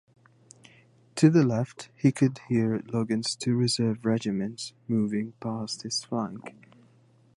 To the left, he could hear Logan's two reserve regiments moving past his flank.